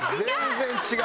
全然違う。